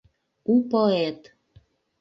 У ПОЭТ